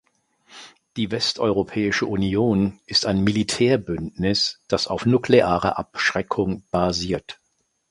Die Westeuropäische Union ist ein Militärbündnis, das auf nuklearer Abschreckung basiert.